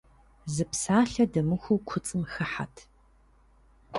Зы псалъэ дэмыхуу куцӀым хыхьэт.